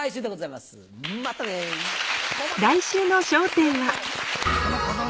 またね。